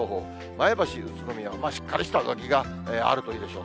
前橋、宇都宮はしっかりした上着があるといいでしょう。